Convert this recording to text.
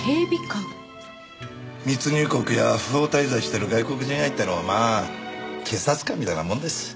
密入国や不法滞在してる外国人相手のまあ警察官みたいなもんです。